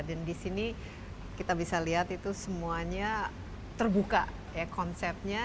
dan di sini kita bisa lihat itu semuanya terbuka ya konsepnya